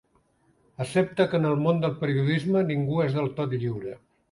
Accepta que en el món del periodisme ningú no és del tot lliure.